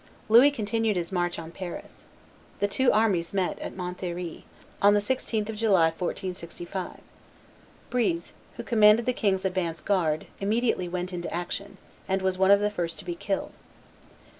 Louis continued his march on Paris. The two armies met at Montlhery, on the 16th of July, 1465. Breze, who commanded the king's advance guard, immediately went into action, and was one of the first to be killed.